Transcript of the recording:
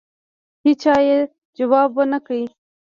هېچا یې ځواب ونه کړ.